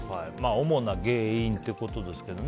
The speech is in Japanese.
主な原因ってことですけどね。